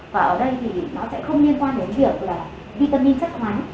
và ở đây thì nó sẽ không liên quan đến việc là vitamin chất khoáng